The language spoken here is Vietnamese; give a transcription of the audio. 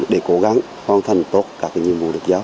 để cố gắng hoàn thành tốt các nhiệm vụ được giáo